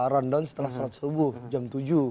rundown setelah sholat subuh jam tujuh